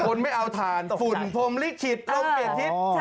คนไม่เอาถ่านฝุ่นพรมลิขิตลมเปลี่ยนทิศ